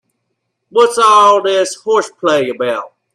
What's all this horseplay about?